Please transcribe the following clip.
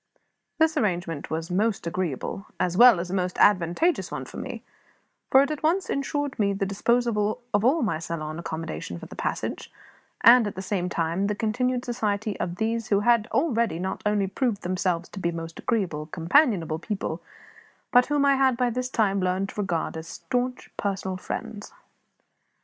This arrangement was a most agreeable, as well as a most advantageous one for me; for it at once insured me the disposal of all my saloon accommodation for the passage, and, at the same time, the continued society of those who had already not only proved themselves to be most agreeable, companionable people, but whom I had by this time learned to regard as staunch personal friends.